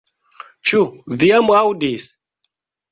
Ĉu vi jam aŭdis?